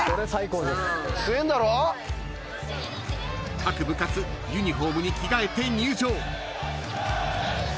［各部活ユニホームに着替えて入場］